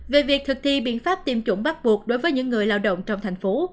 về việc thực thi biện pháp tiêm chủng bắt buộc đối với những người lao động trong thành phố